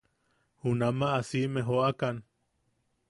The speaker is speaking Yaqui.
Junama siʼime joʼakan.